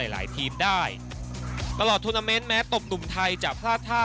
หลายทีมได้ตลอดทวนาเมนต์แม้ตบหนุ่มไทยจะพลาดท่า